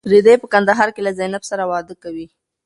رېدی په کندهار کې له زینب سره واده کوي.